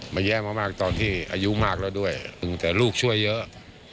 มันแย่มากตอนที่อายุมากแล้วด้วยแต่ลูกช่วยเยอะ